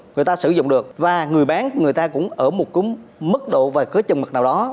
người ta sử dụng được và người bán người ta cũng ở một mức độ và cứ chầm mực nào đó